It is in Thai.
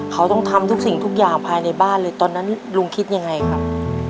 เขาต้องทำทุกสิ่งทุกอย่างภายในบ้านเลยตอนนั้นลุงคิดยังไงครับ